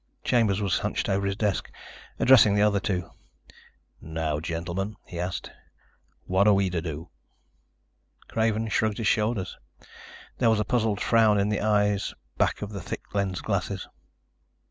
Chambers was hunched over his desk, addressing the other two. "Now, gentlemen," he asked, "what are we to do?" Craven shrugged his shoulders. There was a puzzled frown in the eyes back of the thick lensed glasses.